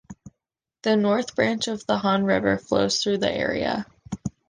The north branch of the Han River flows through the area.